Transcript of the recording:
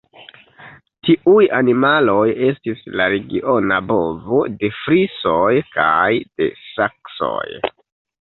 Tiuj animaloj estis la regiona bovo de frisoj kaj de saksoj.